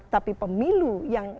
tapi pemilu yang